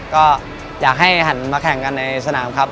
ก็อยากให้หันมาแข่งกันในสนามครับ